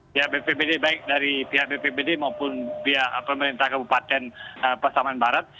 pihak bpbd baik dari pihak bpbd maupun pihak pemerintah kabupaten pasaman barat